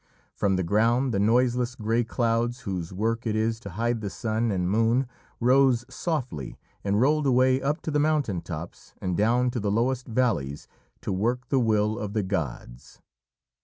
From the ground the noiseless grey clouds, whose work it is to hide the sun and moon, rose softly and rolled away up to the mountain tops and down to the lowest valleys, to work the will of the gods.